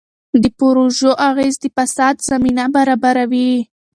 د پروژو اغېز د فساد زمینه برابروي.